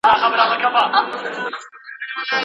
څېړونکی د موضوع تاریخي اړخ څېړي.